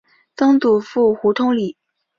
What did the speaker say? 曾祖父胡通礼。